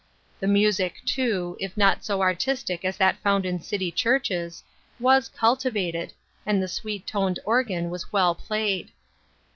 The music, too, if not so artistic as that found in city churches, was cultivated, and the sweet toned organ was well played.